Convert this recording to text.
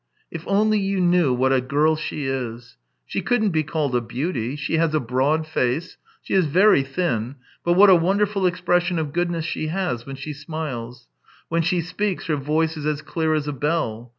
" If only you knew what a girl she is ! She couldn't be called a beauty — she has a broad face, she is very thin, but what a wonderful expression of goodness she has when she smiles ! When she speaks, her voice is as clear as a bell.